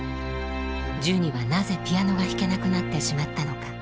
ジュニはなぜピアノが弾けなくなってしまったのか。